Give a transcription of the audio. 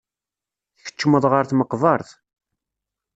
Tkeccmeḍ ɣer tmeqbert.